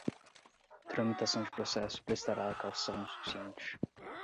tramitação de processo prestará caução suficiente